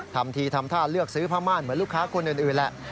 ทำทีทำท่าเลือกซื้อผ้าม่านเหมือนลูกค้าคนอื่นแหละ